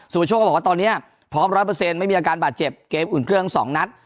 สุภาชก็บอกว่าตอนเนี้ยพร้อมร้อยเปอร์เซ็นต์ไม่มีอาการบาดเจ็บเกมอื่นเครื่องสองนัด